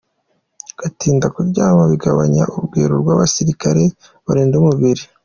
Gutinda kuryama bigabanya urugero rw’abasirikare barinda umubiri.